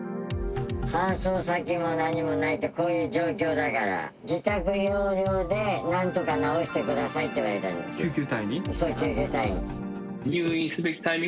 搬送先も何もないと、こういう状況だから、自宅療養でなんとか治してくださいって言われたんですよ。